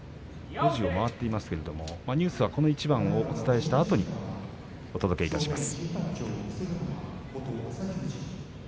５時を回っていますがニュースはこの一番をお伝えしたあとにお届けいたします。